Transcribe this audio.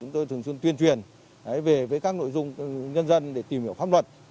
chúng tôi thường xuyên tuyên truyền về với các nội dung nhân dân để tìm hiểu pháp luật